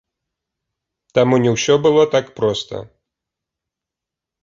Таму, не ўсё было так проста.